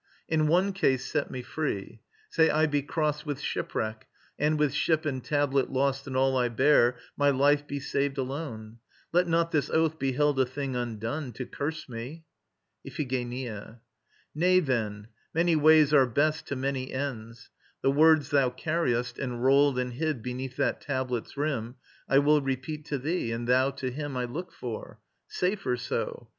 In one case set me free. Say I be crossed With shipwreck, and, with ship and tablet lost And all I bear, my life be saved alone: Let not this oath be held a thing undone, To curse me. IPHIGENIA. Nay, then, many ways are best To many ends. The words thou carriest Enrolled and hid beneath that tablet's rim, I will repeat to thee, and thou to him I look for. Safer so.